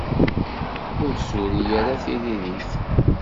Ur d-turi ara tiririt.